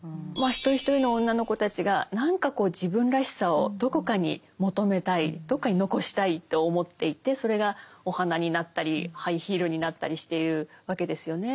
一人一人の女の子たちが何か自分らしさをどこかに求めたいどこかに残したいと思っていてそれがお花になったりハイヒールになったりしているわけですよね。